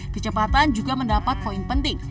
kecepatan juga mendapat poin penting